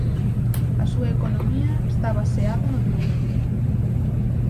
A súa economía está baseada no turismo.